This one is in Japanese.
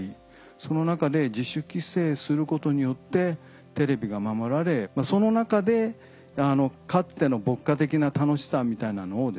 その中で自主規制することによってテレビが守られその中でかつての牧歌的な楽しさみたいなのをですね